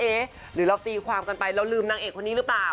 หรือเราตีความกันไปแล้วลืมนางเอกคนนี้หรือเปล่า